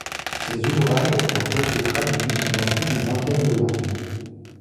Ses ouvrages ont été traduits dans plus d'une vingtaine de langues.